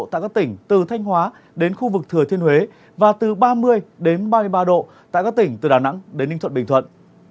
tại các tỉnh từ thanh hóa đến khu vực thừa thiên huế và từ ba mươi ba mươi ba độ tại các tỉnh từ đà nẵng đến ninh thuận bình thuận